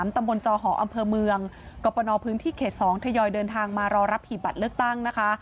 ตำบลจอหออำเภอเมืองกรปนพื้นที่เขต๒ทยอยเดินทางมารอรับหีบบัตรเลือกตั้งนะคะ